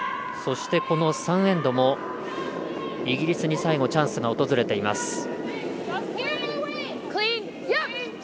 そして、この３エンドもイギリスに最後チャンスが訪れています。